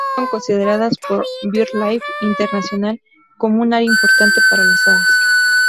Las islas fueron consideradas por BirdLife International como un área importante para las aves.